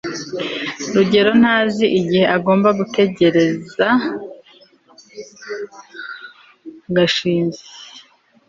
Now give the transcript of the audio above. rugeyo ntazi igihe agomba gutegereza gashinzi